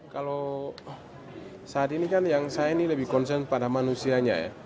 kalau saat ini kan yang saya ini lebih concern pada manusianya ya